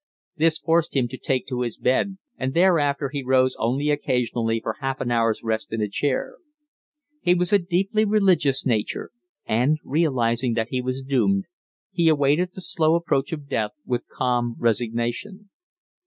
They forced him to take to his bed, and thereafter he rose only occasionally for half an hour's rest in a chair. He was a deeply religious nature, and, realising that he was doomed, he awaited the slow approach of death with calm resignation.